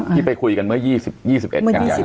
พี่ไปคุยกันเมื่อ๒๑กับทรีย์